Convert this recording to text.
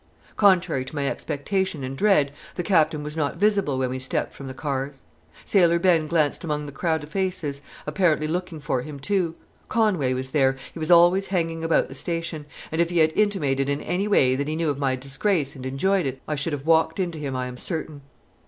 Contrary to my expectation and dread, the Captain was not visible when we stepped from the cars. Sailor Ben glanced among the crowd of faces, apparently looking for him too. Conway was there he was always hanging about the station and if he had intimated in any way that he knew of my disgrace and enjoyed it, I should have walked into him, I am certain.